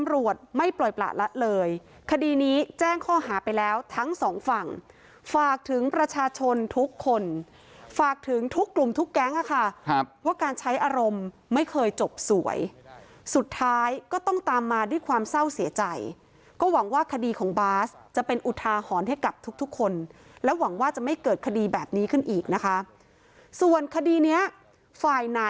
ไม่ปล่อยประละเลยคดีนี้แจ้งข้อหาไปแล้วทั้งสองฝั่งฝากถึงประชาชนทุกคนฝากถึงทุกกลุ่มทุกแก๊งค่ะครับว่าการใช้อารมณ์ไม่เคยจบสวยสุดท้ายก็ต้องตามมาด้วยความเศร้าเสียใจก็หวังว่าคดีของบาสจะเป็นอุทาหรณ์ให้กับทุกทุกคนและหวังว่าจะไม่เกิดคดีแบบนี้ขึ้นอีกนะคะส่วนคดีเนี้ยฝ่ายห